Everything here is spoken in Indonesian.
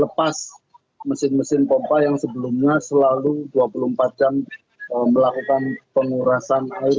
lepas mesin mesin pompa yang sebelumnya selalu dua puluh empat jam melakukan pengurasan air